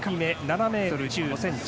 ７ｍ２５ｃｍ。